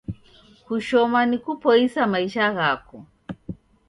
Kushoma ni kupoisa maisha ghako